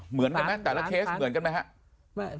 เหมือนกันหรือเปล่าแต่ละเคสเหมือนกันหรือเปล่า